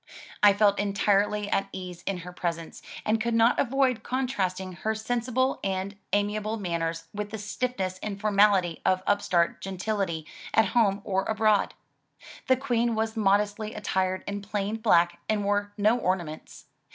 I felt entirely at ease in her presence, and could not avoid contrasting her sensible and amia able manners with the stiffness and formality of upstart gentility at home or abroad. The Queen was modestly attired in plain black, and wore no ornaments.